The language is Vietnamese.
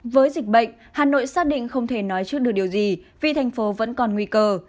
với dịch bệnh hà nội xác định không thể nói trước được điều gì vì thành phố vẫn còn nguy cơ